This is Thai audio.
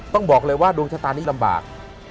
ต้องบอกเลยว่าดวงชะตานี้ลำบาก